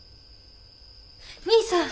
兄さん。